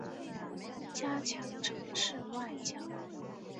加强城市外交